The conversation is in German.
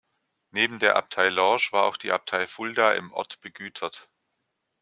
Neben der Abtei Lorsch war auch die Abtei Fulda im Ort begütert.